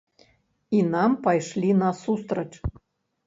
І нам пайшлі насустрач.